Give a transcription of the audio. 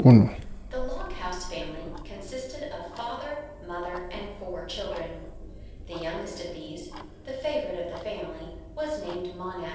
The log house family consisted of father, mother, and four children. The youngest of these the favourite of the family, was named Monax.